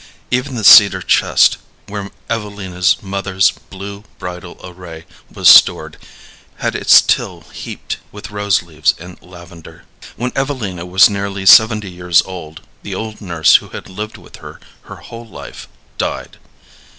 Even the cedar chest where Evelina's mother's blue bridal array was stored had its till heaped with rose leaves and lavender. When Evelina was nearly seventy years old the old nurse who had lived with her her whole life died.